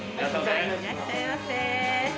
いらっしゃいませ。